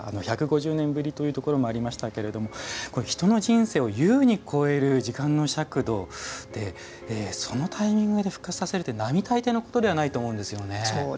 １５０年ぶりというところもありましたけれども人の人生を優に超える時間の尺度でそのタイミングで復活させるって並大抵ではないと思うんですよね。